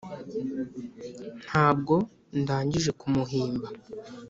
ntabwo ndangije kumuhimba